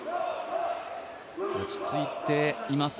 落ち着いています。